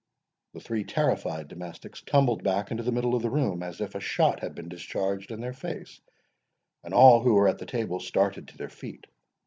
The three terrified domestics tumbled back into the middle of the room, as if a shot had been discharged in their face, and all who were at the table started to their feet.